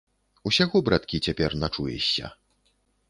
Усяго, браткі, цяпер начуешся.